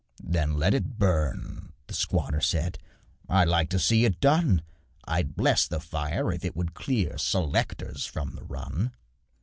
'Then let it burn,' the squatter said; 'I'd like to see it done I'd bless the fire if it would clear Selectors from the run.